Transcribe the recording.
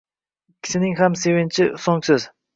Ikkisnning ham sevinchi so'ngsiz.